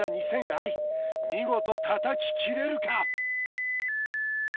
愛見事叩ききれるか？